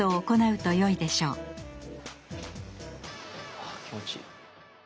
あ気持ちいい。